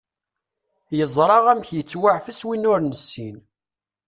Yeẓra amek yettwaɛfes win ur nessin.